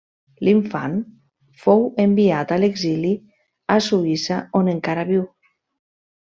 L'infant fou enviat a l'exili a Suïssa on encara viu.